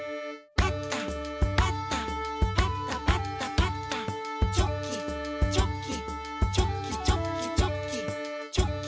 「パタパタパタパタパタ」「チョキチョキチョキチョキチョキ」